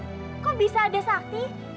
kok bisa ada sakti